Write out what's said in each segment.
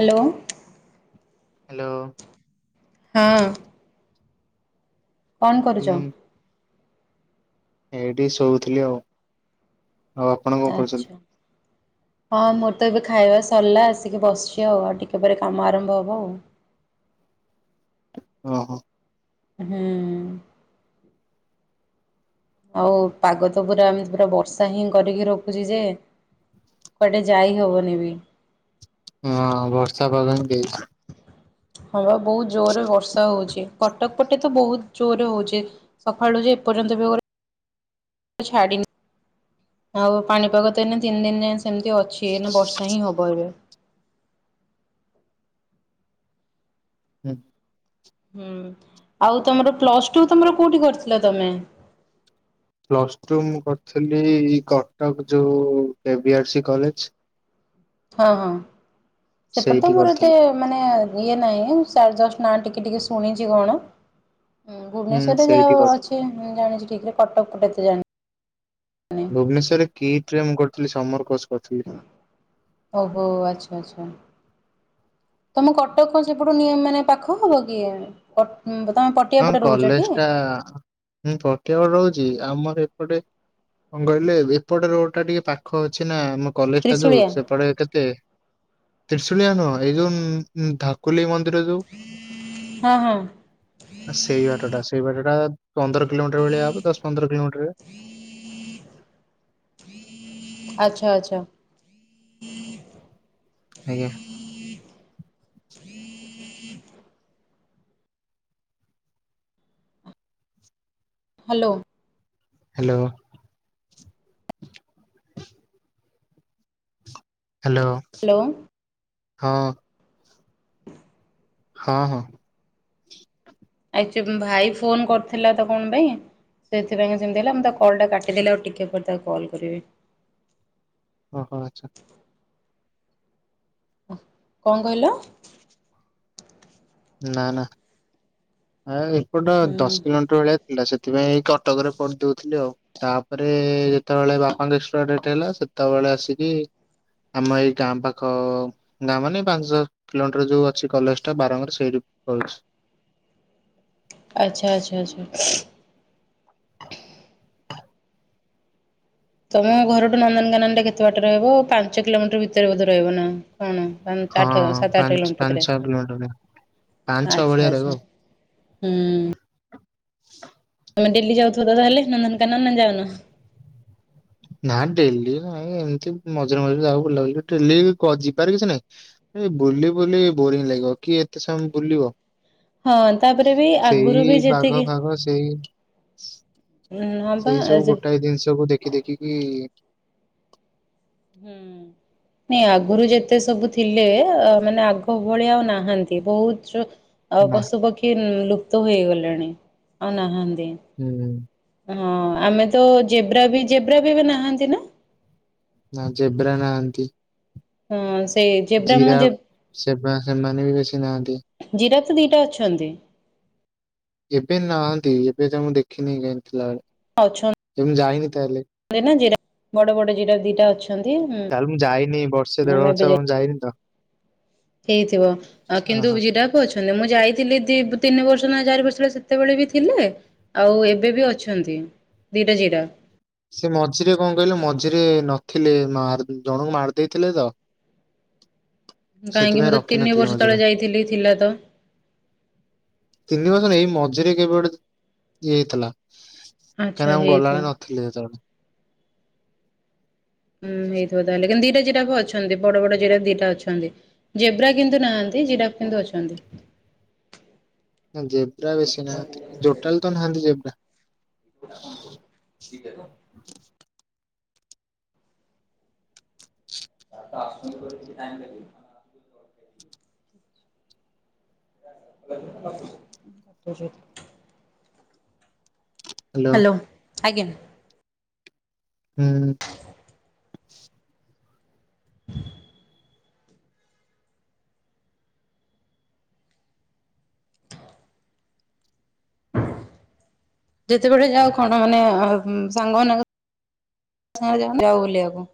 Hello. Hello. ହଁ। କଣ କରୁଛ? ହୁଁ ଏଇଠି ଶୋଉଥିଲି ଆଉ। ଆଉ ଆପଣ କଣ କରୁଛନ୍ତି? ଆଚ୍ଛା। ହଁ ମୋର ତ ଏବେ ଖାଇବା ସରିଲା ଆସିକି ବସିଛି ଆଉ ଆଉ ଟିକେ ପରେ କାମ ଆରମ୍ଭ ହବ ଆଉ। ଓହୋ। ହୁଁ। ଆଉ ପାଗ ତ ପୁରା ଏମିତି ପୁରା ବର୍ଷା ହିଁ କରିକି ରଖୁଚି ଯେ କୁଆଡେ ଯାଇ ହବନି ବି। ହଁ ବର୍ଷା ପାଗ ହିଁ ଦେଇଚି। ହଁ ବା ବହୁତ ଜୋରେ ବର୍ଷା ହୋଉଚି। କଟକ ପଟେ ତ ବହୁତ ଜୋରେ ହୋଉଚି ସକାଳୁ ଯେ ଏ ପର୍ଯ୍ୟନ୍ତ ବି ଓଅରେ ଛାଡ଼ିିନି। ଆଉ ପାଣିପାଗ ତ ଏନେ ତିନ୍ ଦିନ୍ ଯାଏ ସେମିତି ଅଛି ଏନା ବର୍ଷା ହିଁ ହବ ଏବେ। ହୁଁ। ହୁଁ ଆଉ ତମର ପ୍ଲସ୍ ଟୁ ତମର କୋଉଠି କରିଥିଲ ତମେ। ପ୍ଲସ୍ ଟୁ ମୁଁ କରିଥିଲି କଟକ ଯୋଉ କେ ବି ଆର ସି କଲେଜ। ହଁ ହଁ ସେପଟେ ତ ସେଇଠି ମୋର ଏତେ କରିଥିଲୁ ମାନେ ଇଏ ନାଇଁ ସାଡେ ଜଷ୍ଟ ନା ଟିକେ ଟିକେ ଶୁଣିଛି କଣ। ହୁଁ ଭୁବନେଶ୍ୱର ରେ ଯେ ସେଇଠି ଆଉ କରିଥିଲି ଅଛି ମୁଁ ଜାଣିଛି ଠିକ୍ ରେ କଟକ ପଟେ ଏତେ ଜାଣିନି। ଭୁବନେଶ୍ଵରେ କିଟ୍ ରେ ମୁଁ କରିଥିଲି ସମର କୋର୍ସ କରିଥିଲି। ଓହୋ ଆଚ୍ଛା ଆଚ୍ଛା। ତମକୁ କଟକ ସେପଟୁ ନିଅ ମାନେ ପାଖ ହବ କି କଟ୍ ମ ତମ ପଟ୍ ହଁ କଲେଜ ଟା ମୁଁ ପଟିଆ ପଟେ ରହୁଚି ଆମର ଏପଟେ କଂ କହିଲେ ଏପଟେ ରୋଡ ଟା ଟିକେ ପାଖ ଅଛି ନା ଆମ କଲେଜ ଟା ଯୋଉ ତ୍ରିଶୁଳିଆ ସେପଟେ କେତେ ତ୍ରିଶୁଳିଆ ନୁହଁ ଏଇ ଯୋଉ ଉଁ ଧାକୁଲେଇ ମନ୍ଦିର ଯୋଉ ହଁ ହଁ। ସେଇ ବାଟ ଟା ସେଇ ବାଟ ଟା ପନ୍ଦର କିଲୋମିଟର ଭଳିଆ ହବ ଦଶ ପନ୍ଦର କିଲୋମିଟରେ ଆଛା ଆଛା। ଆଜ୍ଞା। ହ୍ୟାଲୋ। ହ୍ୟାଲୋ। ହ୍ୟାଲୋ। ହ୍ୟାଲୋ। ହଁ। [inaudible] ହଁ ହଁ। ଆଇଚ ଭାଇ ଫୋନ କରିଥିଲା ତ କଣ ପାଇଁ। ସେଇଥିପାଇଁ କା ସେମିତି ହେଲା ମୁ ତା କଲଟା କାଟିଦେଲି ଆଉ ଟିକିଏ ପରେ ତାକୁ କଲ୍ କରିବି। ଓ ହୋ ଆଚ୍ଛା। କଂ କହିଲ। ନା ନା। ହା ଏପଟ ହୁଁ ଦଶ କିଲୋମିଟର ଭଳିଆ ଥିଲା ସେଥିପାଇଁ କଟକରେ ପଡିଦଉଥିଲି ଆଉ। ତାପରେ ଯେତେବେଳେ ବାପାଙ୍କ ଏକ୍ସପାର୍ ଡେଟ ହେଲା ସେତେବେଳେ ଆସିକି ଆମ ଏଇ ଗାଁ ପାଖ ଗାଁ ମାନେ ପାଞ୍ଚ କିଲୋମିଟର ଯୋଉ ଅଛି କଲେଜ ଟା ବାରଙ୍ଗ ରେ ସେଇଠି ପଢଚି। ଆଚ୍ଛା ଆଚ୍ଛା ଆଚ୍ଛା। [inaudible] ତମ ଘରଠୁ ନନ୍ଦନକାନନ ଟା କେତେ ବାଟ ରହିବ ପାଞ୍ଚ କିଲୋମିଟର ଭିତରେ ବୋଧେ ରହିବ ନା। କଣ ପାଞ୍ଚ ହଁ ଆଠ ସାତ ଆଠ ପାଞ୍ଚ ପାଞ୍ଚ କିଲୋମିଟତରେ ଛଅ କିଲୋମିଟର ଭଳିଆ, ପାଞ୍ଚ ଛଅ ଆଚ୍ଛା ଭଳିଆ ରହିବ ଆଚ୍ଛା। ଆଉ। ହୁଁ। ତମେ ଡେଲି ଯାଉଥିବତ ତାହେଲେ ନନ୍ଦନକାନନ ନା ଯାଉନ? ନା ଡେଲି ନାଇଁ ଏମିତି ମଝିରେ ମଝିରେ ଯାଉ ବୁଲାବୁଲି ଡେଲି କ ଯିବାର କିଛି ନାଇଁ। ଏଇ ବୁଲି ବୁଲି ବୋରିଂ ଲାଗିବ କିଏ ଏତେ ସମୟ ବୁଲିବ। ହଁ ତାପରେ ବି ଆଗରୁ ସେଇ ବି ବାଘ ଯେତିକି ଫାଗ ସେଇ ହଁ ବା ସେଇ ସବୁ ଯେ ଗୋଟାଏ ଜିନିଷକୁୁ ଦେଖି ଦେଖିକି ହୁଁ। ନାଇଁ ଆଗରୁ ଯେତେ ସବୁ ଥିଲେ ମାନେ ଆଗ ଭଳିଆ ଆଉ ନାହାନ୍ତି ବହୁତ୍ ଆଉ ନା ପଶୁ ପକ୍ଷୀ ଲୁପ୍ତ ହେଇଗଲେଣି ଆଉ ନାହାନ୍ତି। ହୁଁ। ହଁ ଆମେତ ଜେବ୍ରାବି ଜେବ୍ରାବି ଏବେବି ନାହାନ୍ତି ନା? ନା ଜେବ୍ରା ନାହାନ୍ତି। ହଁ ସେଇ ଜେବ୍ରା ମୁଁ ଯେ ଜିରାଫ୍ ସେମା ସେମାନେବି ବେଶୀ ନାହାଁନ୍ତି। ଜିରାଫ୍ ତ ଦିଟା ଅଛନ୍ତି। ଏବେ ନାହାନ୍ତି ଏବେ ତାଙ୍କୁ ମୁଁ ଦେଖିନି କାଇଁଥିଲା ବେଳେ। ଅଛନ୍ ଯେମୁ ଯାଇନି ତାହେଲେ। ଏଇନା ଜିରାଫ ବଡ଼ ବଡ଼ ଜିରାଫ ଦିଟା ଅଛ ତାହଲେ ମୁଁ ଯାଇନି ବର୍ଷେ ଦେଢ ଏବେ ବର୍ଷ ଯାଇ ହବ ମୁଁ ଯାଇନିତ। ହେଇଥିବ ଆ କିନ୍ତୁ ଓହୋ ଜିରାଫ ଅଛନ୍ତି ମୁଁ ଯାଇଥିଲି ଦି ତିନି ବର୍ଷନା ଚାରି ବର୍ଷ ତଳେ ସେତେବେଳେବି ଥିଲେ। ଆଉ ଏବେବି ଅଛନ୍ତି ଦିଟା ଜିରାଫ୍। ସେ ମଝିରେ କଣ କହିଲ ମଝିରେ ନଥିଲେ ମାର ଜଣଙ୍କୁ ମାରି ଦେଇଥିଲେତ କାହିଁକି ମୁତ ତିନି ରଖିନଥିଲେ ବର୍ଷ ମଝିରେ ତଳେ ଯାଇଥିଲି ଥିଲାତ। ତିନି ବର୍ଷ ନାହିଁ ଏଇ ମଝିରେ କେବେ ଗୋଟେ ଇଏ ହେଇଥିଲା। ଆଚ୍ଛା କାହିଁକିନା ମୁଁ ହେଇଥିବ। ଗଲାବେଳେ ନଥିଲେ ହେତେବେଳେ। ହୁଁ ହେଇଥିବ ତାହଲେ କିନ୍ତୁ ଦିଟା ଜିରାଫ୍ ଅଛନ୍ତି ବଡ଼ ବଡ଼ ଜିରାଫ୍ ଦିଟା ଅଛନ୍ତି। ଜେବ୍ରା କିନ୍ତୁ ନାହାନ୍ତି ଜିରାପ୍ କିନ୍ତୁ ଅଛନ୍ତି। ନା ଜେବ୍ରା ବେଶୀ ନାହାନ୍ତି ଜୋଟାଲିତ ନାହାନ୍ତି ଜେବ୍ରା। ଡାକନ୍ତୁ ଦିଇଟାତ। ଆସୁଚନ୍ତି କଇଲେ କିଛି ଟାଇମ୍ ଲାଗିବ। [unintelligible] ହ୍ୟାଲୋ। ହାଲୋ ଆଜ୍ଞା। ହୁଁ। [inaudible] ଯେତେବେଳେ ଯାଉ କଣ ମାନେ ସାଙ୍ଗ ମାନଙ୍କ [unintelligible] ଯାଉ ବୁଲିବାକୁ।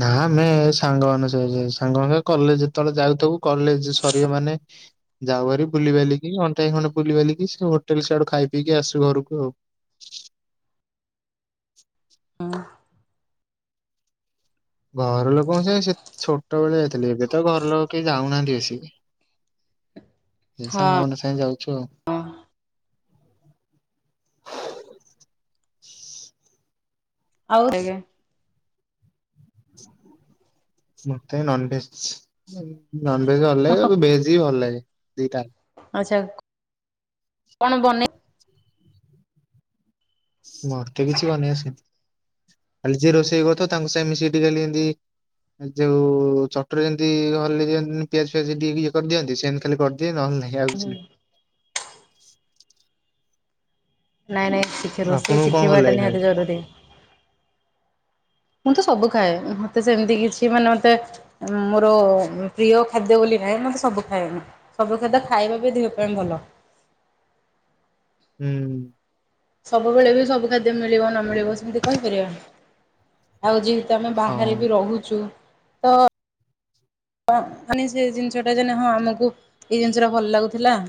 ନା ଆମେ ସାଙ୍ଗ ମାନ ସବୁ ସାଙ୍ଗ ମାନେ କଲେଜ୍ ଯେତେବେଳେ ଯାଉଥିବୁ କଲେଜ୍ ସରିବ ମାନେ ଯାଉଭାରି ବୁଲିିବାଲିକି ଘଣ୍ଟାଏ ଖଣ୍ଡେ ବୁଲି ବାଲିକି ସେହୋଟେଲ୍ ସେଆଡ଼େ ଖାଇ ପିକି ଆସୁ ଘରକୁ ଆଉ। [inaudible] ଘର ଲୋକ ସେଛୋଟବେଳେ ଯାଇଥିଲେ ଏବେତ ଘର ଲୋକ କେହି ଯାଉନାହାନ୍ତି ବେସି। [inaudible] ଏଇ ହଁ ସାଙ୍ଗ ମାନେ ସାଂଗେ ଯାଉଚୁ ଆଉ। ଆଉ ଆଜ୍ଞା। ମତେ ନନଭେଜ୍। ନନ ଭେଜ ଭଲ ଲାଗେ ଆଉ ଭେଜ ବି ଭଲ ଲାଗେ ଦିଟା ଆଛା କଣ ବନେଇ ମତେ କିଛି ଵନେଇ ଆସେନି ଖାଲି ଯିଏ ରୋଷେଇ କରୁଥିଵ ତାଙ୍କ ସାଙ୍ଗେ ମିଶିକି ଟିକିଏ ଖାଲି ଏମତି ଯୋଉ ଚଟୁରେ ଯେମିତି ର ହଲେଇ ଦିଅନ୍ ପିଆଜ ଫିଆଜ ଟିକେ ଦି ଇଏ କରିଦିଅନ୍ତି ସେମତି ଖାଲି କରିଦିଏ ନହେଲେ ନାହିଁ। ଇଏ ଆଉଛି ନାଇଁ ନାଇଁ ଶିଖ ନାହିଁ। ରୋଷେଇ ଆପଣଙ୍କୁ କଣ ଭଲ ସିଖିଵାଟା ଲାଗେ ନିହାତି ଖାଇବାକୁ? ଜରୁରୀ। ମୁଁ ତ ସବୁ ଖାଏ ମତେ ସେମିତି କିଛି ମାନେ ମତେ ମୋର ପ୍ରିୟ ଖାଦ୍ୟ ବୋଲି ନାହିଁ ମୁଁ ତେ ସବୁ ଖାଏ ମୁଁ। ସବୁ ଖାଦ୍ୟ ଖାଇବା ବି ଦେହ ପାଇଁ ଭଲ। ହୁଁ। ସବୁବେଳେ ବି ସବୁ ଖାଦ୍ୟ ମିଳିବ ନ ମିଳିବ ସେମିତି କହିପାରିବା। ଆଉ ଯେହେତୁ ଆମେ ବାହାରେ ହଁ ବି ରହୁଚୁ। ହଁ ମାନେ ସେ ଜିନିଷ ଟା ଯେ ହଁ ଆମକୁ ଏଇ ଜିନିଷ ଟା ଭଲ ଲାଗୁଥିଲା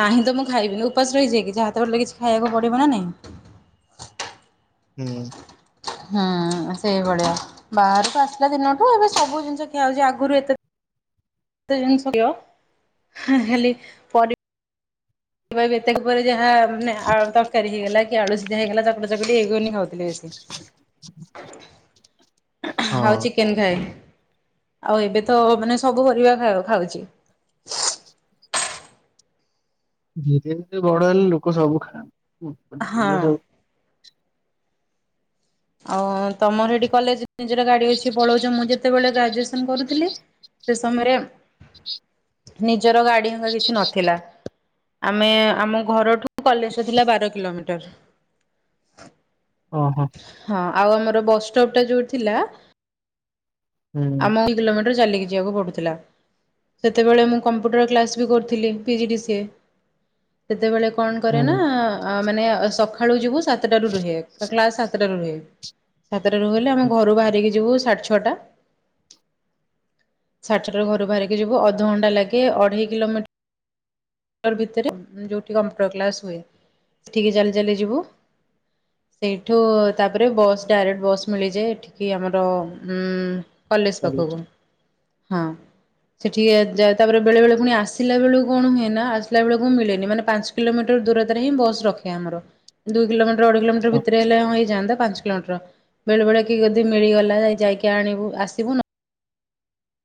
ନାହିଁ ତ ମୁଁ ଖାଇବିନି ଉପାସ ରହିଯିଵକି ଯାହାତ ହେଲେ କିଛି ଖାଇବାକୁ ପଡ଼ିବ ନା ନାଇଁ। ହୁଁ। ହହାଁ ସେଇ ଭଳିଆ। ବାହାରକୁ ଆସିଲା ଦିନଠୁ ଏବେ ସବୁ ଜିନିଷ ଖିଆ ହଉଚି ଆଗରୁ ଏତେ ଏତେ ଜିନିଷ ଗିଅ [inaudible] ହଁ ହେଲି କିବା ଏବେ ଏତେକ ପରେ ଯାହା ମାନେ ଆଳୁ ତରକାରୀ ହେଇଗଲା କି ଆଳୁ ସିଯା ହେଇଗଲା ତାପରେ ଚକୁଡି ହେଇ ଗୁନି ଖାଉଥିଲେ ବେଶୀ। [inaudible] [inaudible] [inaudible] ଆଉ ହଁ। ଚିକେନ ଖାଏ ଆଉ ଏବେ ତ ମାନେ ସବୁ ପରିବା ଖା ଖାଉଚି। ଧୀରେ ଧୀରେ ବଡ ହେଲେ ଲୋକ ସବୁ ଖାଆ [inaudible] ହୁଁ ହଁ ପରିବା ସବୁ ଆଉ ତମର ଏଠି କଲେଜ ନିଜର ଗାଡି ଅଛି ପଳଉଚ ମୁଁ ଯେ ତେବେଳେ ଗ୍ରାଜୁଏସନ କରୁଥିଲି ସେ ସମୟରେ ନିଜର ଗାଡ଼ି ହଙ୍କା କିଛି ନଥିଲା। ଆମେ ଆମ ଘରଠୁ କଲେଜ ଥିଲା ବାର କିଲୋମିଟର। ଓ ହୋ। ହଁ ଆଉ ଆମର ବସ୍ଟପଟା ଯୋଉ ଥିଲା ହୁଁ ଆମ ଇ କିଲୋମିଟର ଚାଲିକି ଯିବାକୁ ପଡୁଥିଲା। ସେତେବେଳେ ମୁଁ କମ୍ପ୍ୟୁଟର କ୍ଲାସ୍ ବି କରିଥିଲି P G D C A ସେତେବେଳେ କଣ କରେ ହୁଁ ନା ଆ ମାନେ ସଖାଳୁ ଯିବୁ ସାତଟାରୁ ରୁହେ। ତ କ୍ଲାସ ସାତଟାରୁ ରୁହେ ସାତଟାରୁ ହେଲେ ଆମେ ହୁଁ ଘରୁ ବାହାରିକି ଯିବୁ ସାଢେ ଛଅଟା। ସାଡ଼ଛଅଟାରୁ ଘରୁ ବାହାରିକି ଯିବୁ ଅଧଘଣ୍ଟା ଲାଗେ ଅଢେଇ କିଲୋମିଟ୍ ଟର ଭିତରେ ଯୋଉଠି କମ୍ପଟର କ୍ଲାସ ହୁଏ ସେଠିକି ଚାଲି ଚାଲି ଯିବୁ। ସେଇଠୁ ତାପରେ ବସ୍ ଡାଇରେକ୍ଟ ବସ୍ ମିଳିଯାଏ ଏଠି କି ଆମର ହୁଁ କଲେଜ ଭଲ ପାଖକୁ। ହଁ ସେଠି ଏ ଯା ତାପରେ ବେଳେ ବେଳେ ପୁଣି ଆସିଲା ବେଳକୁ କଣ ହୁଏ ନା ଆସିଲା ବେଳକୁ ମିଳେନି ମାନେ ପାଞ୍ଚ କିଲୋମିଟର ଦୂରତାରେ ହିଁ ବସ ରଖେ ଆମର। ଦୁଇ କିଲୋମଟର ଅଢେଇ କିଲୋମିଟର ଭିତରେ ହେଲେ ହଁ ହେଇଯାଆନ୍ତା ପାଞ୍ଚ କିଲମିଟର ବେଳେ ବେଳେ କିଅ ଯଦି ମିଳିଗଲା ଏ ଯାଇକି ଆଣିବୁ ଆସିବୁ ନ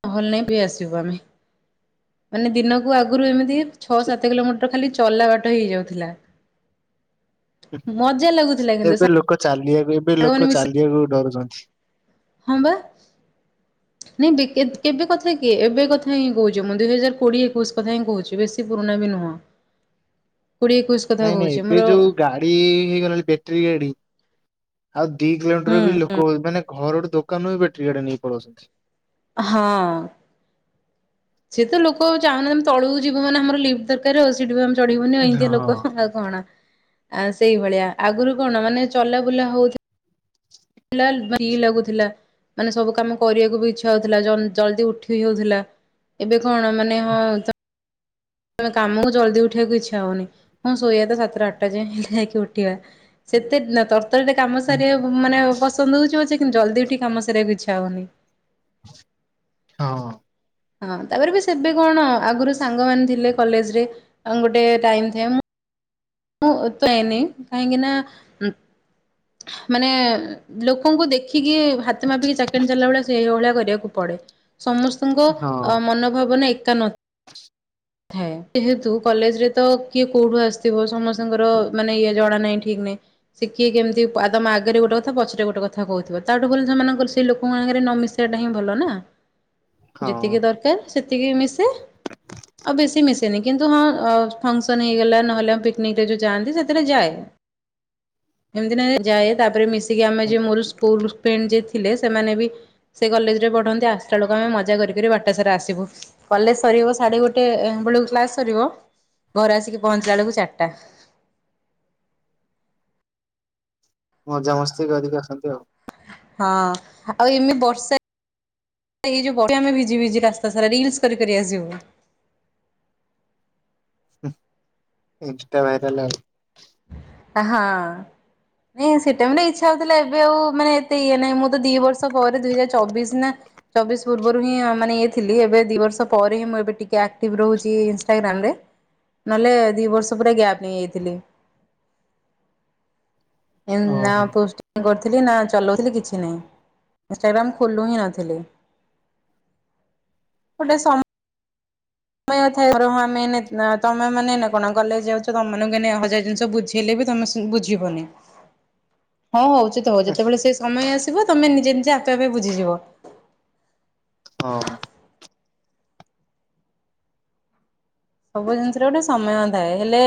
ନହେଲେ ନାହିଁ ବି ଆସିବୁ ଆମେ ମାନେ ଦିନକୁ ଆଗୁରୁ ଏମିତି ଛଅ ହଁ। ସାତ କିଲୋମିଟ ର ଖାଲି ଚଲା ବାଟ ହେଇଯାଉଥୁଲା। ଲାଗୁଥିଲା ଏବ୍ କିନ୍ତୁ ଏବେ ଲୋକ ଚାଲିଆକୁ ଏବେ ସାଙ୍ଗମାନେ ଲୋକ ମିଶି ଚାଲିଆକୁ ଡରୁଚ଼ନ୍ତି। ହଁ ବା। ନାଇଁ ବେ କେ କେବେ କଥା କି, ଏବେ କଥା ହିଁ କହୁଚ଼ି। ମୁଁ ଦୁଇ ହଜାର କୋଡିଏ, ଏକୋଉଶି କଥା ହିଁ କହୁଚ଼ି, ବେଶୀ ପୁରୁଣା ବି ନୁହଁ। କୋଡ଼ିଏ, ଏକୋଇଶ୍ ନାଇଁ ନାଇଁ ଏବେ ଯୋଉ ଗା ଡ଼ି ହେଇଗଲାଣି ବେଟରୀ ଗାଡି ଆଉ ଦି କିଲୋମିଟର ବି ଲୋ ହୁଁ କ ମାନେ ଘର ଠୁ ଦୋକାନ ବି ବେଟ୍ରି ଗାଡ଼ି ନେଇକି ପଳଉସନ୍ତି। ହଁ। ସିଏ ତ ଲୋକ ଚାହୁଁନାହାନ୍ତି ଆମେ ତଳକୁ ଯିବୁ ମାନେ ଆମର ଲିପ୍ଟି ଦରକାର। [unintelligible] ଚଢ଼ିବୁନି ଆଉ ଏମିତିଆ ହଁ। ଲୋକ ଆଉ କଣ। ଆ ସେଇଭଳିଆ। ଆଗରୁ କଣ ମାନେ ଚଲା ବୁଲା ହଉଥୁ ଲା ଫ୍ରି ଲାଗୁଥିଲା। ମାନେ ସବୁ କାମ କରିବାକୁ ବି ଇଚ୍ଛା ହଉଥିଲା। ଜନ୍ ଜଲଦି ଉଠି ବି ହଉଥିଲା। ଏବେ କଣ ମାନେ ହଁ ମାନେ କାମ କୁ ଜଲଦି ଉଠିବାକୁ ଇଚ୍ଛା ହଉନି। ହଁ ଶୋଇବା ତ ସାତଟା, ଆଠ ଟା ଯାଏ। ଯାଇଁକି ଉଠିବା। ସେତେ ତରତରରେ କାମ ସାରିବା କୁ ମାନେ ପସନ୍ଦ ହଉଚ଼ି ପଛେ କିନ୍ତୁ ଜଲ୍ଦି ଉଠିକି କାମ ସାରିବାକୁ ଇଚ୍ଛା ହଉନି। ହଁ। ହଁ। ତାପରେ ବି ସେବେ କଣ ଆଗୁରୁ ସାଙ୍ଗମାନେ ଥିଲେ କଲେଜ ରେ ଅଁ ଗୋଟେ ଟାଇମ୍ ଥାଏ ମୁଁ ମୁଁ [unintelligible] କାହିଁକି ନା ମାନେ ଲୋକଙ୍କୁ ଦେଖ୍ ଖିକି ହାତେ ମାପିକି ଚାଖେଣ୍ଡେ ଚାଲିଲା ଭଳିଆ ସେଇ ଭଳିଆ କରିବାକୁ ପଡେ। ସମସ୍ ସ୍ତ ହଁ ଙ୍କ ମନଭାବନା ଏକା ନ ଥାଏ। ଯେହେତୁ କଲେଜ୍ ରେ ତ କିଏ କୋଉଠୁ ଆସିଥିବ ସମସ୍ତଙ୍କର ମାନେ ଇଏ ଜଣା ନାହିଁ ଠିକ୍ ନାହିଁ। ସିଏ କିଏ କେମିତି ଆଗରେ ଗୋଟେ କଥା ପଛରେ ଗୋଟେ କଥା କହୁଥିବ। ତାଠୁ ଭଲ୍ ସେମାନଙ୍କର ସେଇ ଲୋକଙ୍କ ସାଙ୍ଗରେ ନମିଶି ବା ଟା ହିଁ ଭଲ ନା। ହଁ। ଯେତିକି ଦରକାର୍ ସେତିକି ମିଶେ, ଆଉ ବେଶୀ ମିଶେନି। କିନ୍ତୁ ହଁ ଅ ଫଙ୍କସନ୍ ହେଇଗଲା ନହେଲେ ପି କିନିକ୍ ରେ ଯୋଉ ଯଆନ୍ତି ସେଥିରେ ଯାଏ। ଏମିତି ନାଇଁ ଯାଏ ତାପରେ ମିଶ୍ ତିକି ଆମେ ହୁଁ, ଯୋଉ ମୋର ସ୍କୁଲୁ ଫ୍ରେଣ୍ଡ୍ ଯିଏ ଥିଲେ ସେମାନେ ବି ସେ କଲେଜରେ ପଢ଼ନ୍ତି। ଆସିଲା ବେଳକୁ ଆମେ ମଜା କରିି କରି ବାଟସାରା ଆସିବୁ। କଲେଜ୍ ସରିବ ସାଢେ ଗୋଟେ ବେଳକୁ କ୍ଲାସ ସରିବ, ଘରେ ଆସିକି ପହଞ୍ଚିଲା ବେଳକୁ ଚାର୍ ଟା। ମଜାମସ୍ତି କରିକି ଆସନ୍ତି ଆଉ। ହଁ। ଆଉ ଏମି ବର୍ଷା ଏଇ ଯୋଉ [unintelligible] ଆମେ ଭିିଜି ଭିଜି ରାସ୍ତା ସାରା ରିଲ୍ସି କରି କରି ଆସିବୁ। ଇନଷ୍ଟା ଭାଇରାଲ୍ ଆଉ। ହଁ। ନାଇଁ ସେ ଟାଇମ୍ ରେ ଇଚ୍ଛା ହଉଥିଲା, ଏବେ ଆଉ ମାନେ ଏତେ ଇଏ ନାଇଁ ମୁଁ ତ ଦି ବର୍ଷ ପରେ ଦୁଇ ହଜାର ଚବିଶ୍ ନା ଚବିଶ୍ ପୂର୍ବରୁ ହିଁ ମାନେ ଇଏ ଥିଲି। ଏବେ ଦି ବର୍ଷ ପରେ ହିଁ ମୁଁ ଏବେ ଟିକେ ଆକ୍ଟିଭ୍ ରହୁଚି ଇନଷ୍ଟାଗ୍ରାମ୍ ରେ। ନହେଲେ ଦି ବର୍ଷ ପୁରା ଗ୍ୟାପ୍ ହେଇଯାଇଥିଲି। ନା ଓହୋ। ପୋଷ୍ଟିଂ କରିଥିଲି ନା ଚଲଉଥିଲି କିଛି ନାଇଁ। ଇନଷ୍ଟାଗ୍ରାମ୍ ଖୋଲୁ ହିଁ ନଥିଲି। [unintelligible] ସମୟ ଥାଏ, ବରଂ ଆମେ ଏଉନେ ତମେ ମାନେ ଏଇନେ କଣ କଲେଜ୍ ଯାଉଚ ତମମାନଙ୍କୁ ଏଇନା ହଜାର ଜିନିଷ ବୁଝି ବୁଝିଇଲେ ବିବତମେ ବୁଝିବନି। ହଁ ହଉ ସେତ ହେଁ, ଯେତେବେଳେ ସେ ସମୟ ଆସିବ ତମେ ନିଜେ ନିଜେ ଆପେ ଆପେ ବୁଝିଯିବ। ହଁ। ସବୁ ଜିନିଷରେ ଗୋଟେ ସମୟ ଥାଏ। ହେଲେ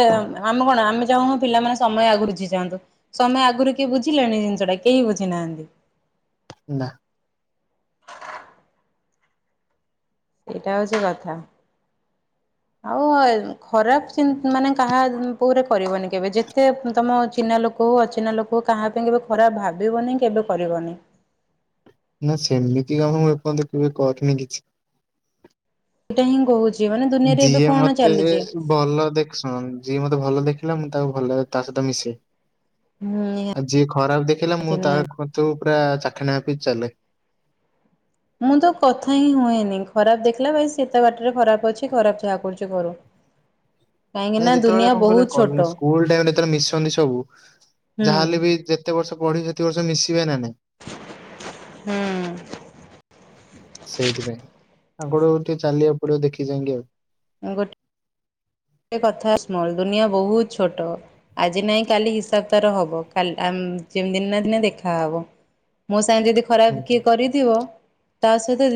ଆମେ କଣ ଆମେ ଚାହୁଁନୁ ପିଲାମାନେ ସମୟ ଆଗରୁୁ ବୁଝି ଯାଆନ୍ତୁ। ସମୟ ଆଗରୁ କିଏ ବୁଝିଲାଣି ଜିନିଷ ଟା, କେହି ବୁଝି ନାହାନ୍ତି। ନା। ସେଇଟା ହଉଛି କଥା। ଆଉ [unintelligible] ଖରାପ ଚିନ ମାନେ କାହା ଉପରେ କରିବନି କେବେ ଯେତେ ତମ ଚିହ୍ନା ଲୋକ କୋ ଅଚିହ୍ନା ଲୋକ କାହା ପାଇଁ କେବେ ଖରାପ ଭାବିବନି କେବେ କରିବନି। ନା ସେମିତି ଆଉ ମୁଁ ଏପର୍ଯ୍ୟନ୍ତ କେବେ କରିନି କିଛି। ଏଇଟା ହିଁ କହୁଛି, ମାନେ ଦୁନିଆରେ ଏବେ ଯିଏ କଣ ମତେ ଚାଲିଛି? ଭଲ ଦେଖ ଶୁଣନ୍ତୁ ଯିଏ ମତେ ଭଲ ଦେଖିଲା ମୁଁ ତାକୁ ଭଲ ଭାବେ ତା ସହିତ ମିଶେ। ହୁଁ ଆଉ ନିହାତି ଯିଏ ଖରାପ ଦେଖିଲା ମୁଁ ତା ନିହାତି। କତୁ ପୁରା ଚାଖେଣ୍ଡେ ମାପି ଚାଲେ। ମୁଁ ତ କଥା ହିଁ ହୁଏନି ଖରାପ ଦେଖିଲା ଭାଇ ସିଏ ତା ବାଟରେ ଖରାପ ଅଛି ଖରାପ ଯାହା କରୁଛି କରୁ। କାହିଁକି ନାଇଁ ନା ଯେତେବେଳେ ଦୁନିଆ କଣ କହିଲେ ବହୁତ ଛୋଟ କଲ୍ ସ୍କୁଲ ଟାଇମ୍ ଯେତେବେଳେ ମିଶନ୍ତି ସବୁ ଯାହା ହୁଁ। ହେଲେ ବି ଯେତ କେତେ ବର୍ଷ ପଢ଼ିକି କେତେ ବର୍ଷ ମିଶିବେ ନା ନାଇଁ। ହୁଁ। ସେଇଥିପାଇଁ। ଆଗକୁ ଟିକେ ଚାଲିବାକୁ ପଡ଼ିବ ଦେଖି ଚାହିଁକି ଆଉ। ଗୋଟେ କଥା ସ୍ମଲ୍ ଦୁନିଆ ବହୁତ ଛୋଟ। ଆଜି ନାହିଁ କାଲି ହିସାବ ତାର ହବ କାଲ ଆମ ଯେମିତି ଦିନ ନା ଦିନେ ଦେଖାହବ। ମୋ ସାଙ୍ଗେରେ ଯଦି ଖରାପ ହୁଁ। କିଏ କରିଥିବ ତା ସହିତ